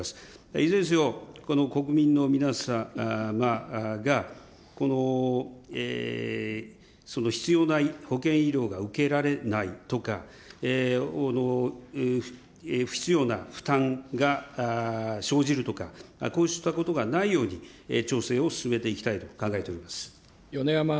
いずれにせよ、国民の皆様が、必要な保険医療が受けられないとか、不必要な負担が生じるとか、こうしたことがないように、調整を進めていきたいと考えております。